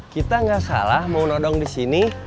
kita nggak salah mau nodong di sini